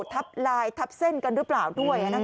ทับลายทับเส้นกันหรือเปล่าด้วย